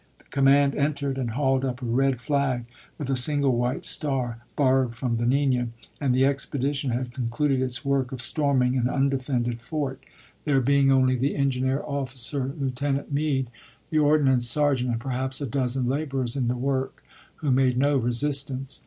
The command entered and hauled up a red flag with a single white star, borrowed from the Nina, and the expedition had concluded its work of storming an undefended fort, there being only FOKT SUMTEE 61 the engineer officer, Lieutenant Meade, the ord chap. iv. nance sergeant, and perhaps a dozen laborers in the work, who made no resistance.